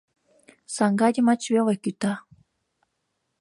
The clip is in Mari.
— Саҥга йымач веле кӱта.